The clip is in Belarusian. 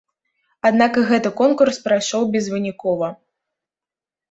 Аднак і гэты конкурс прайшоў безвынікова.